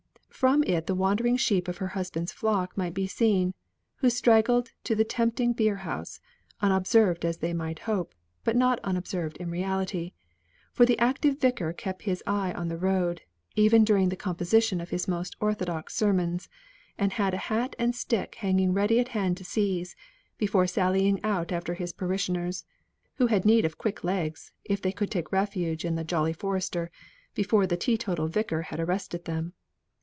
From it the wandering sheep of her husband's flock might be seen, who straggled to the tempting beer house, unobserved as they might hope, but not unobserved in reality; for the active Vicar kept his eye on the road, even during the composition of his most orthodox sermons, and had a hat and stick hanging ready at hand to seize, before sallying out after his parishioners, who had need of quick legs if they could take refuge in the "Jolly Forester" before the teetotal Vicar had arrested them.